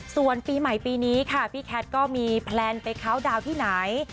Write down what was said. ส่วนปีใหม่ปีนี้ค่ะพี่แคทก็มีแพลนไปเคาน์ดาวน์ที่ไหน